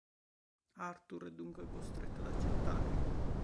Arthur è dunque costretto ad accettare.